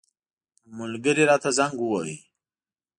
ملګري راته زنګ وواهه.